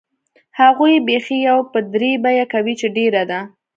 هغوی بیخي یو په درې بیه کوي چې ډېره ده.